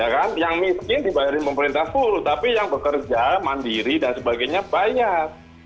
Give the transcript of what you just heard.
ya kan yang miskin dibayarin pemerintah suruh tapi yang bekerja mandiri dan sebagainya bayar